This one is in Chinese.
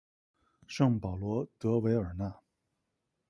圣保罗德韦尔讷。